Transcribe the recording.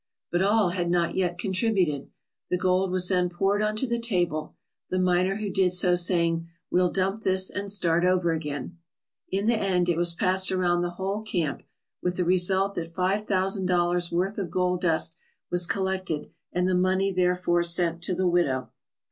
But all had not yet contributed. The gold was then poured on to the table, the miner who did so saying: 'We'll dump this and start over again/ In the end it was passed around the whole camp, with the result that five thousand dollars' worth of gold dust was collected and the money therefor sent to the widow.